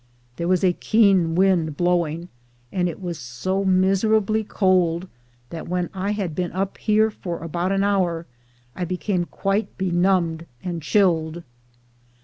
There was a keen wind blowing, and it was so miser ably cold, that when I had been up here for about an hour, I became quite benumbed and chilled.